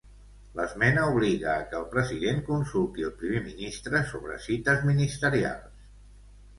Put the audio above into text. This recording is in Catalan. L'esmena obliga a que el president consulti el primer ministre sobre cites ministerials.